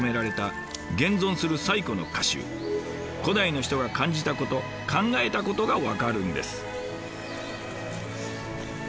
古代の人が感じたこと考えたことが分かるんです。